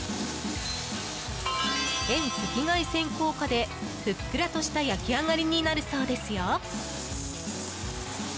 遠赤外線効果でふっくらとした焼き上がりになるそうですよ。